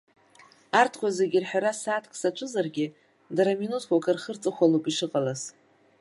Арҭқәа зегь рҳәара сааҭк саҿызаргьы, дара минуҭқәак рхырҵыхәалоуп ишыҟалаз.